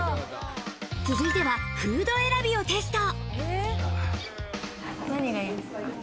続いてはフード選びをテスト。